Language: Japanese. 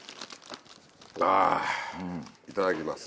あぁいただきます。